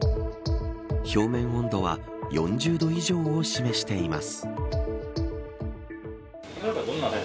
表面温度は４０度以上を示しています。